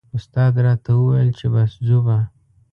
استاد راته و ویل چې بس ځو به.